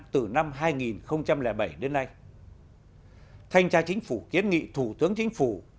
từ năm hai nghìn bảy đến nay thanh tra chính phủ kiến nghị thủ tướng chính phủ